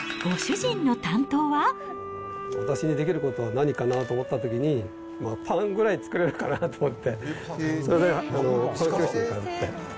私にできることは何かなと思ったときに、パンぐらい作れるかなと思って。